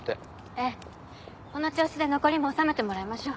ええこの調子で残りも納めてもらいましょう。